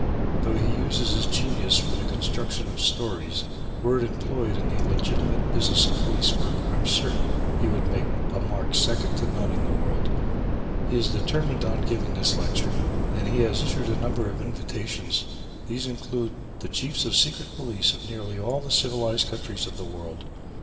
Though he uses his genius for the construction of stories, were it employed in the legitimate business of police work, I am certain he would make a mark second to none in the world. He is determined on giving this lecture and he has issued a number of invitations. These include the Chiefs of the Secret Police of nearly all the civilized countries of the world.